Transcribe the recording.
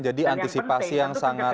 jadi antisipasi yang sangat